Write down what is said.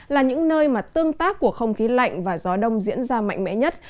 là những nơi mà tương tác của không khí lạnh và gió đông diễn ra mạnh mẽ nhất